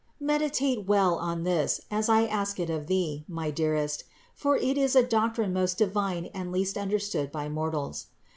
Meditate well on this, as I ask it of thee, my dearest; for it is a doctrine most divine and least understood by mortals.